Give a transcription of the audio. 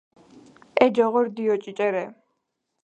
ე ჯოღორ დიო ჭიჭე რე